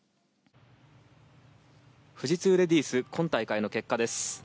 富士通レディース今大会の結果です。